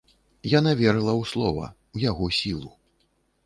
Яна верыла ў слова, у яго сілу.